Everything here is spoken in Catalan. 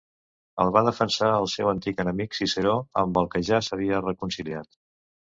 El va defensar el seu antic enemic Ciceró, amb el que ja s'havia reconciliat.